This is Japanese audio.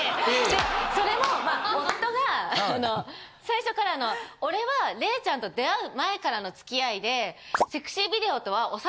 でそれも夫が最初から「俺は怜ちゃんと出会う前からの付き合いで」。って言うんですよ。